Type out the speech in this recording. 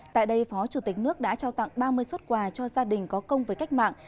tại đây phó chủ tịch nước đã trao tặng ba mươi xuất quà cho gia đình có công với cách mạng